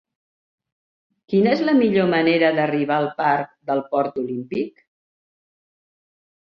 Quina és la millor manera d'arribar al parc del Port Olímpic?